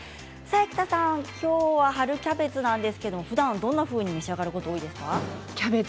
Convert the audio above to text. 生田さん、きょうは春キャベツなんですけれどもふだん、どんなふうに召し上がることが多いですか。